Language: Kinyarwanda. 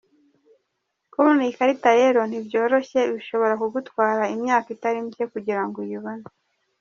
Kubona iyi karita rero ntiyoroshye bishobora kugutwara imyaka itari mike kugira ngo uyibone.